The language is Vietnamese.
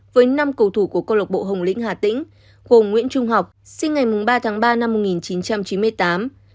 với năm cầu thủ của công lộc bộ hồng lĩnh hà tĩnh hồ nguyễn trung học sinh ngày ba ba một nghìn chín trăm chín mươi tám